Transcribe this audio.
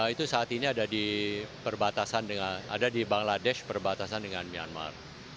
itu saat ini ada di bangladesh perbatasan dengan myanmar